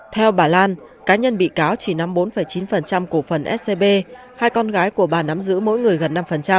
theo bà lan cá nhân bị cáo chỉ nắm bốn chín cổ phần scb hai con gái của bà nắm giữ mỗi người gần năm